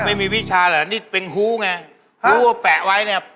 ไม่มีวิชาเหรอนี่เป็นหู้ไง